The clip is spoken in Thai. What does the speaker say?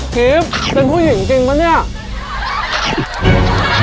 ทริปเป็นผู้หญิงจริงวะเนี่ย